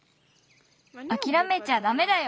あきらめちゃダメだよ！